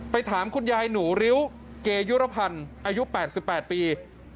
ถามคุณยายหนูริ้วเกยุรพันธ์อายุ๘๘ปี